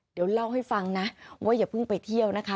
เดี๋ยวเล่าให้ฟังนะว่าอย่าเพิ่งไปเที่ยวนะคะ